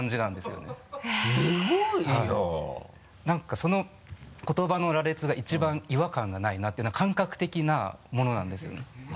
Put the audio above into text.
何かその言葉の羅列が１番違和感がないなっていうのは感覚的なものなんですよね。